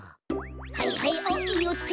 はいはいあっよっと。